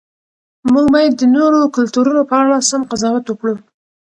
موږ باید د نورو کلتورونو په اړه سم قضاوت وکړو.